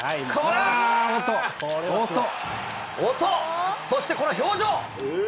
音、そしてこの表情。